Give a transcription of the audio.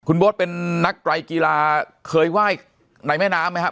คุณโบ๊ทเป็นนักไตรกีฬาเคยไหว้ในแม่น้ำไหมครับ